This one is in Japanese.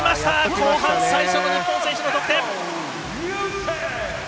後半最初の日本選手の得点！